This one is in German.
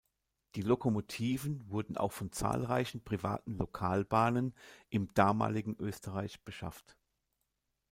Die Lokomotiven wurden auch von zahlreichen privaten Lokalbahnen im damaligen Österreich beschafft.